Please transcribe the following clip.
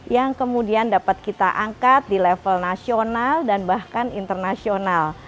yang kemudian dapat kita angkat di level nasional dan bahkan internasional